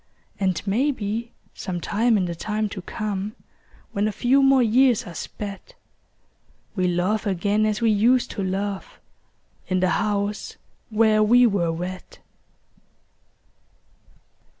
And maybe some time in the time to come, When a few more years are sped, We'll love again as we used to love, In the house where we were wed.